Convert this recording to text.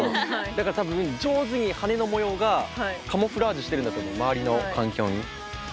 だから多分上手にはねの模様がカムフラージュしてるんだと思う周りの環境に。